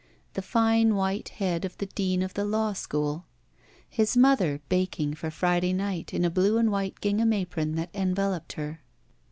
The fine white head of the dean of the law school. His mother baking for Friday night in a blue and white gingham apron that enveloped her.